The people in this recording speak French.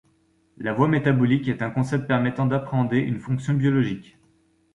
La voie métabolique est un concept permettant d'appréhender une fonction biologique.